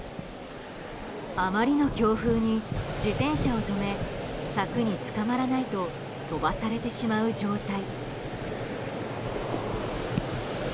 あまりの強風に自転車を止め柵につかまらないと飛ばされてしまう状態。